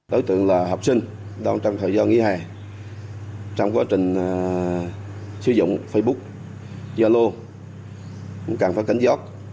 đối tượng là học sinh đang trong thời gian nghỉ hè trong quá trình sử dụng facebook yolo càng phải cảnh giác